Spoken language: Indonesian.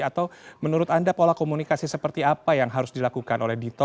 atau menurut anda pola komunikasi seperti apa yang harus dilakukan oleh dito